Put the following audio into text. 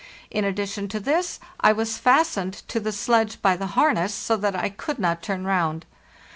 In addition to this, I was fastened to the sledge by the harness, so that I could not turn round.